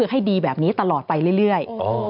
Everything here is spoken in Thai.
ให้ดีแบบนี้ตลอดไปเรื่อย